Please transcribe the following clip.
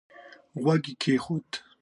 غوږ يې کېښود.